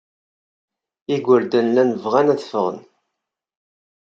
Igerdan llan bɣan ad ffɣen.